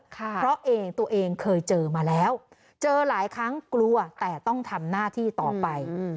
เพราะเองตัวเองเคยเจอมาแล้วเจอหลายครั้งกลัวแต่ต้องทำหน้าที่ต่อไป